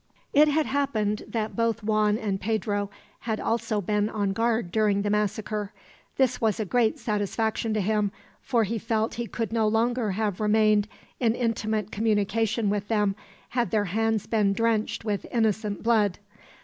It had happened that both Juan and Pedro had also been on guard, during the massacre. This was a great satisfaction to him, for he felt he could no longer have remained in intimate communion with them, had their hands been drenched with innocent blood.